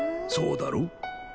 そうだろ？